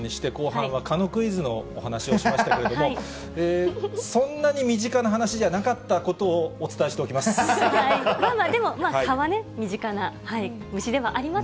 きょうはスーパー耐性蚊の話を前半にして、後半は蚊のクイズのお話をしましたけれども、そんなに身近な話じゃなかったことをお伝えしておきます。